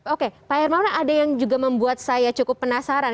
oke pak hermawan ada yang juga membuat saya cukup penasaran